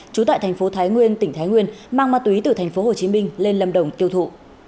chú tại thành phố thái nguyên tỉnh thái nguyên mang ma túy từ thành phố hồ chí minh lên lâm đồng tiêu thụ